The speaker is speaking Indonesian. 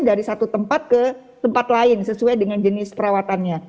dari satu tempat ke tempat lain sesuai dengan jenis perawatannya